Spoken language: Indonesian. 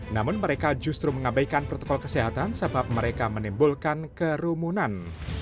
namun mereka justru mengabaikan protokol kesehatan sebab mereka menimbulkan kerumunan